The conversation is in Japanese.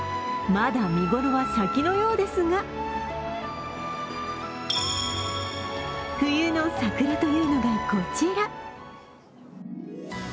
まだ、見頃は先のようですが冬の桜というのが、こちら。